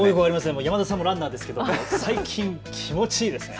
山田さんもランナーですけど最近気持ちいいですね。